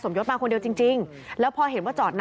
หรือมีใครเดินมาหากันตอนนั้น